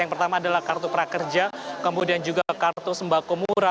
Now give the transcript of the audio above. yang pertama adalah kartu prakerja kemudian juga kartu sembako murah